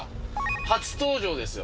初登場ですよ